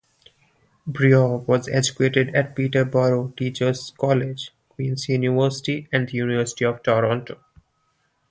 Breaugh was educated at Peterborough Teachers' College, Queen's University and the University of Toronto.